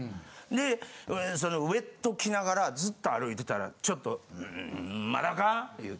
でそのウェット着ながらずっと歩いてたらちょっと「うんまだか？」って言うて。